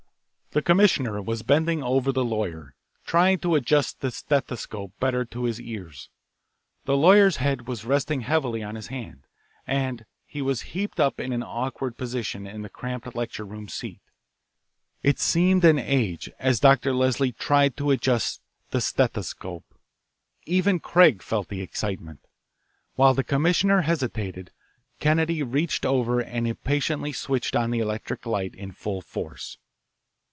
The commissioner was bending over the lawyer, trying to adjust the stethoscope better to his ears. The lawyer's head was resting heavily on his hand, and he was heaped up in an awkward position in the cramped lecture room seat. It seemed an age as Dr. Leslie tried to adjust the stethoscope. Even Craig felt the excitement. While the commissioner hesitated, Kennedy reached over and impatiently switched on the electric light in full force.